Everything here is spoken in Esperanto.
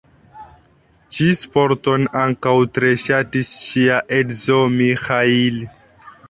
Ĉi-sporton ankaŭ tre ŝatis ŝia edzo Miĥail.